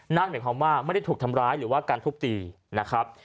นั่นหมายความว่าไม่ได้ถูกทำร้ายหรือว่าการทุบตีนะครับ